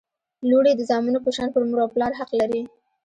لوڼي د زامنو په شان پر مور او پلار حق لري